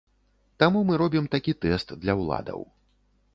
Таму мы робім такі тэст для ўладаў.